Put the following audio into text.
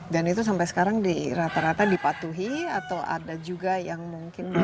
dan itu sampai sekarang rata rata dipatuhi atau ada juga yang mungkin melanggar